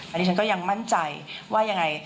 อันนี้ฉันก็ยังมั่นใจว่ายังไง